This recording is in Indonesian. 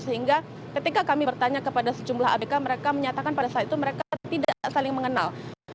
sehingga ketika kami bertanya kepada sejumlah abk mereka menyatakan pada saat itu mereka tidak saling mengenal